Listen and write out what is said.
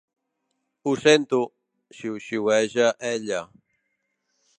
Ho sento —xiuxiueja ella—.